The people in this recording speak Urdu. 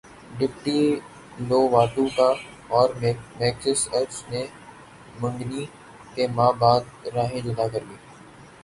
ڈیمی لوواٹو اور میکس ارچ نے منگنی کے ماہ بعد راہیں جدا کرلیں